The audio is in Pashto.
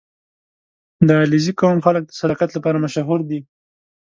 • د علیزي قوم خلک د صداقت لپاره مشهور دي.